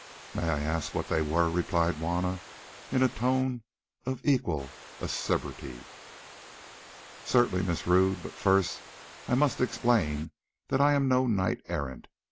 "Might I ask what they were?" replied Juanna, in a tone of equal acerbity. "Certainly, Miss Rodd. But first I must explain that I am no knight errant.